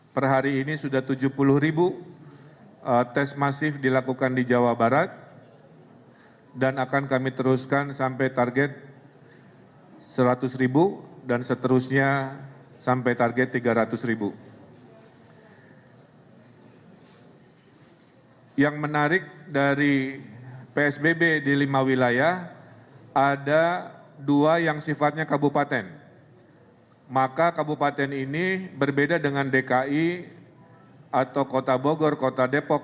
per hari ini sudah tujuh puluh ribu tes masif dilakukan di jawa barat dan akan kami teruskan sampai target seratus ribu dan seterusnya sampai target tiga ratus ribu